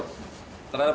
ke polda jawa timur